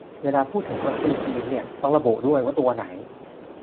เวลาพูดถึง "วัคซีนจีน" นี่ต้องระบุด้วยว่าตัวไหน